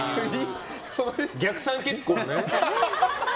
逆算結婚ね。